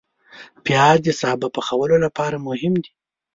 پیاز د سابه پخولو لپاره مهم دی